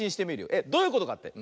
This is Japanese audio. えっどういうことかって？